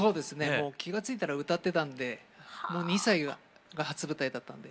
もう気が付いたら歌ってたんでもう２歳が初舞台だったんで。